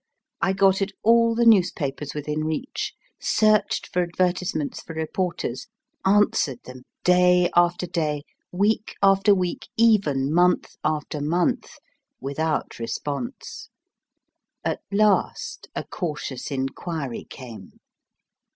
I got at all the newspapers within reach, searched for advertisements for reporters, answered them day after day, week after week, even month after month, without response. At last a cautious inquiry came.